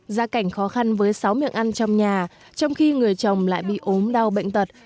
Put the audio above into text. gia cảnh khó khăn với sáu miệng ăn trong nhà trong khi người chồng lại bị ốm đau bệnh tật